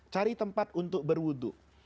cari tempat untuk berwudu